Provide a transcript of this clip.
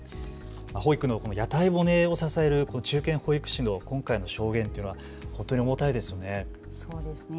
保育の屋台骨を支える中堅保育士の今回の証言というのは本当に重たいですね。